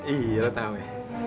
iya udah tau ya